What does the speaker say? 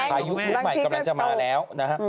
อายุใหม่กำลังจะมาแล้ว